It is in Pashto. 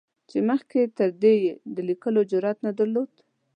چې مخکې تر دې یې د لیکلو جرعت نه درلود.